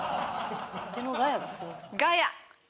ガヤ！